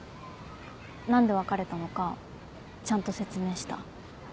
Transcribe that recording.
何で別れたのかちゃんと説明した。